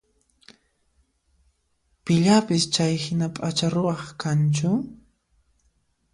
Pillapis chayhina p'acha ruwaq kanchu?